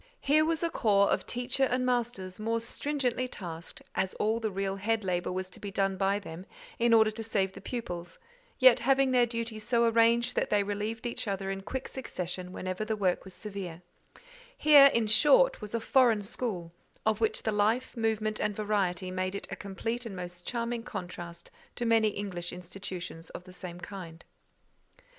Here was a corps of teachers and masters, more stringently tasked, as all the real head labour was to be done by them, in order to save the pupils, yet having their duties so arranged that they relieved each other in quick succession whenever the work was severe: here, in short, was a foreign school; of which the life, movement, and variety made it a complete and most charming contrast to many English institutions of the same kind.